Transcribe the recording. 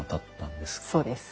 そうです。